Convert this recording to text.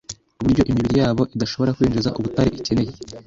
ku buryo imibiri yabo idashobora kwinjiza ubutare ikeneye